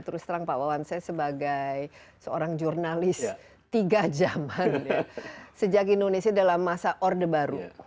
terus terang pak wawan saya sebagai seorang jurnalis tiga zaman sejak indonesia dalam masa orde baru